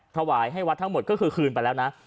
ถวายให้วัดทั้งหมดก็คือคืนไปแล้วนะ